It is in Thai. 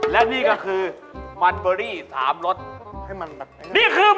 แล้วก็คือสวรรดอเวี๋ออกแฮงครับผม